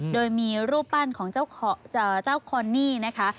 โดยมีรูปปั้นของเจ้าคอนนี่นะคะ